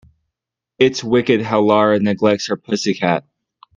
It's wicked how Lara neglects her pussy cat.